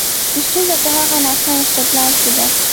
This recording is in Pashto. ستونزه په هغه ناسم استدلال کې ده.